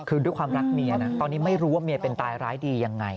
คือด้วยความรักเมียนะตอนนี้ไม่รู้ว่าเมียเป็นตายร้ายดียังไง